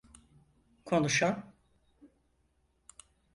Konuşan…